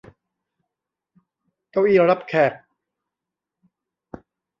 เก้าอี้รับแขก